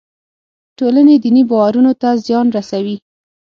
ټولنې دیني باورونو ته زیان رسوي.